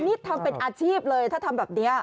นี่ทำเป็นอาชีพเลยถ้าทำแบบนี้